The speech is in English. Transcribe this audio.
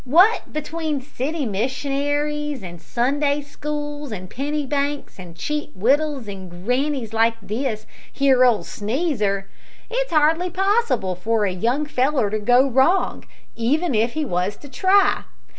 What between city missionaries, an' Sunday schools, an' penny banks, an cheap wittles, and grannies like this here old sneezer, it's hardly possible for a young feller to go wrong, even if he was to try.